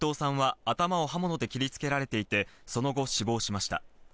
伊藤さんは頭を刃物で切りつけられていて、その後、死亡しました。